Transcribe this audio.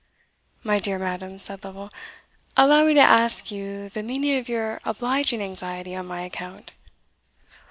"My dear madam," said Lovel, "allow me to ask you the meaning of your obliging anxiety on my account."